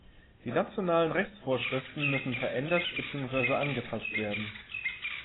Die nationalen Rechtsvorschriften müssen verändert beziehungsweise angepasst werden.